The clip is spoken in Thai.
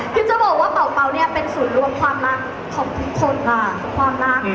พี่เจ้าบอกว่าเป่าเป๋าเนี่ยเป็นศูนย์รู้กับความรักของทุกคน